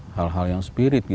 hal hal yang spirit